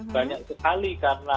banyak sekali karena